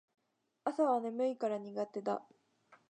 朝は眠いから苦手だ